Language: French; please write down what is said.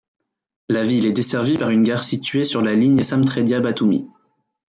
La ville est desservie par une gare situé sur la ligne Samtredia-Batoumi.